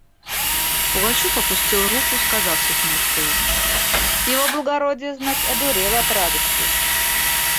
Пугачев опустил руку, сказав с усмешкою: «Его благородие, знать, одурел от радости.